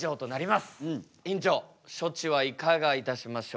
院長処置はいかがいたしましょうか？